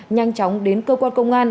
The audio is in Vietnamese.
nhanh chóng đến cơ quan công an